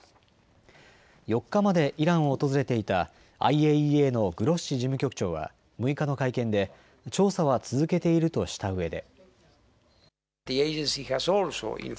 ４日までイランを訪れていたＩＡＥＡのグロッシ事務局長は６日の会見で調査は続けているとしたうえで。